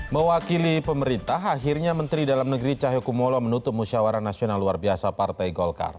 mewakili pemerintah akhirnya menteri dalam negeri cahyokumolo menutup musyawara nasional luar biasa partai golkar